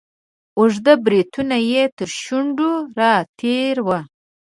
اوږده بریتونه یې تر شونډو را تیر وه.